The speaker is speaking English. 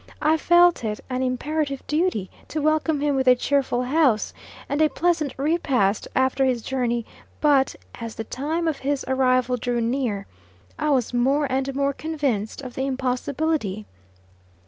I felt it an imperative duty to welcome him with a cheerful house, and a pleasant repast after his journey; but as the time of his arrival drew near, I was more and more convinced of the impossibility.